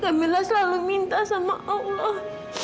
kak mila selalu minta sama allah